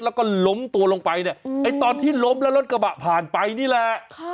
แล้วก็ล้มตัวลงไปเนี่ยไอ้ตอนที่ล้มแล้วรถกระบะผ่านไปนี่แหละ